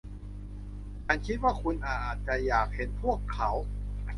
ฉันคิดว่าคุณอาจจะอยากเห็นพวกเขา